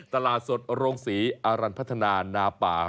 ตลาดสดโรงศรีอรันพัฒนานาป่า